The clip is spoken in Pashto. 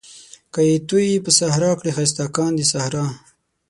که يې تويې په صحرا کړې ښايسته کاندي صحرا